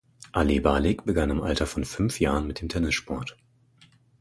Alibalic begann im Alter von fünf Jahren mit dem Tennissport.